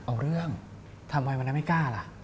เอาเรื่องทำไมวันนั้นไม่กล้าล่ะ